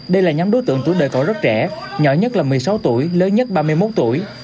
đây là nhóm đối tượng tuổi đời còn rất trẻ nhỏ nhất là một mươi sáu tuổi lớn nhất ba mươi một tuổi